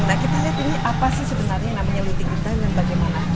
nah kita lihat ini apa sih sebenarnya namanya leading kita dan bagaimana